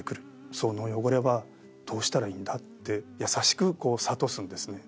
「その汚れはどうしたらいいんだ？」って優しく諭すんですね。